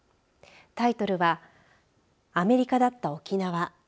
タイトルはアメリカだった沖縄。